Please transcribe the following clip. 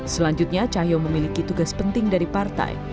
selanjutnya cahyo memiliki tugas penting dari partai